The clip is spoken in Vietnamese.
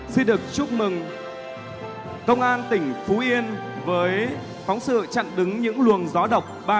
xin được chúc mừng công an tỉnh phú yên với phóng sự chặn đứng những luồng gió độc